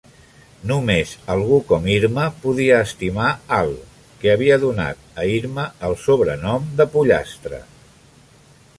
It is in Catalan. Només algú com Irma podia estimar Al, que havia donat a Irma el sobrenom de "Pollastre".